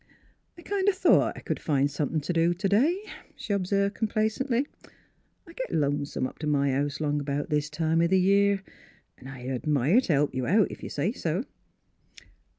" I kind o' thought I c'd find somethin' t' do t'day," she observed complacently. '• I git lonesome up t' my house 'long 'bout this time o' th' year, an' I'd admire t' help you out, if you say so.